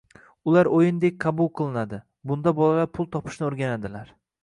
Ular o‘yindek qabul qilinadi, bunda bolalar pul topishni o‘rganadilar